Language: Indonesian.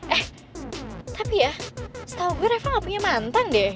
eh tapi ya setahu gue reva gak punya mantan deh